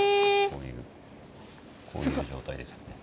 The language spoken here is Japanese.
こういうこういう状態ですね。